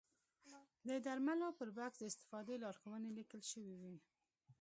د درملو پر بکس د استفادې لارښوونې لیکل شوې وي.